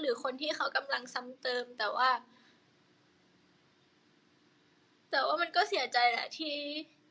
หรือคนที่เขากำลังซ้ำเติมแต่ว่าแต่ว่ามันก็เสียใจแหละที่